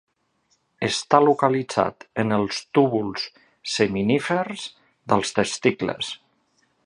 Està localitzat en els túbuls seminífers dels testicles.